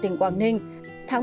tỉnh quảng ninh